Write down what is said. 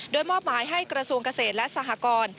โดยมอบหมายให้กระทรวงเกษตรและสหกร